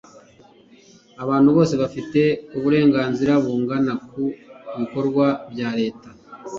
abantu bose bafite uburenganzira bungana ku bikorwa bya leta